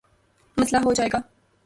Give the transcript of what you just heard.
مسلہ ہو جائے گا